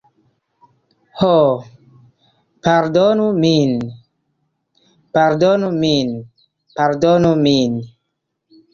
Ho, pardonu min. Pardonu min. Pardonu min.